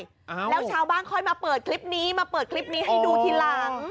อ่าแล้วชาวบ้านค่อยมาเปิดคลิปนี้มาเปิดคลิปนี้ให้ดูทีหลัง